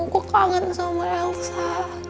aku kangen sama elsa